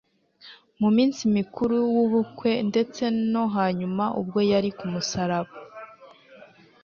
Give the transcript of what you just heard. Mu munsi mukuru w'ubukwe ndetse no hanyuma ubwo yari ku musaraba,